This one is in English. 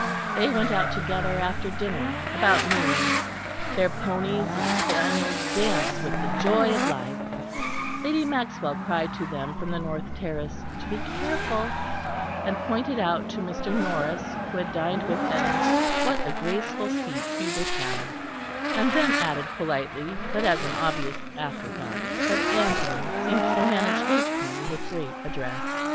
They went out together after dinner about noon; their ponies and spaniels danced with the joy of life; Lady Maxwell cried to them from the north terrace to be careful, and pointed out to Mr. Norris who had dined with them what a graceful seat Hubert had; and then added politely, but as an obvious afterthought, that Anthony seemed to manage his pony with great address.